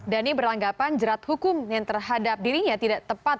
dhani beranggapan jerat hukum yang terhadap dirinya tidak tepat